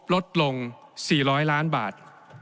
ลดลง๔๐๐ล้านบาท